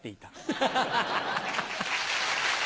ハハハハ。